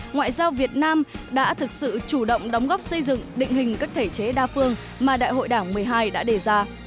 ngoại giao việt nam đã thực sự chủ động đóng góp xây dựng định hình các thể chế đa phương mà đại hội đảng một mươi hai đã đề ra